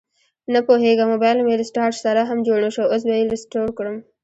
نپوهیږم مبایل مې ریسټارټ سره هم جوړ نشو، اوس به یې ریسټور کړم